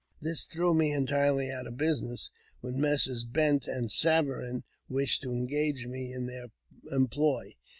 This threw me entirely out of business, when Messrs. Bent and Saverine wished to engage me in their employ.